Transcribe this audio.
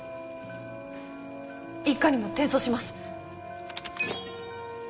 一課にも転送します。